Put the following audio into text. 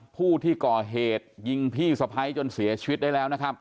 ผู้ที่ก่อเหตุยิงพี่สะพ้ายจนเสียชีวิตได้แล้วนะครับ